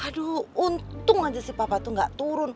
aduh untung aja si papa tuh gak turun